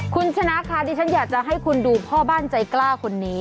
คุณชนะค่ะดิฉันอยากจะให้คุณดูพ่อบ้านใจกล้าคนนี้